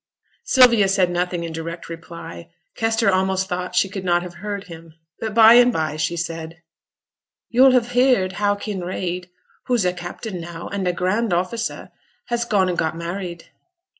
Sylvia said nothing in direct reply; Kester almost thought she could not have heard him. But, by and by, she said, 'Yo'll have heared how Kinraid who's a captain now, and a grand officer has gone and got married.'